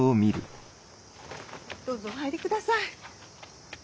どうぞお入りください。